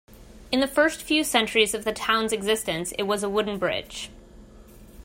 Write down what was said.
In the first few centuries of the town's existence, it was a wooden bridge.